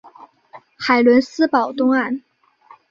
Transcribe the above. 海伦斯堡东岸。